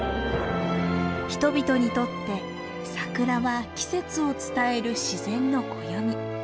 人々にとってサクラは季節を伝える自然の暦。